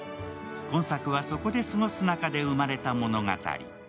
今作はそこで過ごす中で生まれた物語。